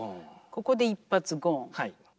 ここで一発ゴン。